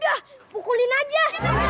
jangan jangan jangan jangan jangan